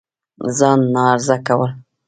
ځان ناغرضه كول